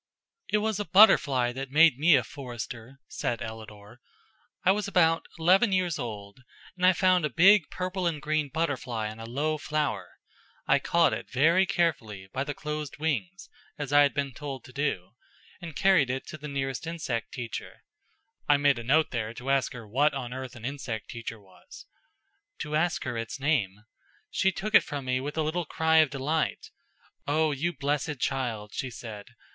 "It was a butterfly that made me a forester," said Ellador. "I was about eleven years old, and I found a big purple and green butterfly on a low flower. I caught it, very carefully, by the closed wings, as I had been told to do, and carried it to the nearest insect teacher" I made a note there to ask her what on earth an insect teacher was "to ask her its name. She took it from me with a little cry of delight. 'Oh, you blessed child,' she said.